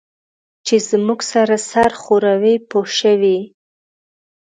چې زموږ سره سر ښوروي پوه شوې!.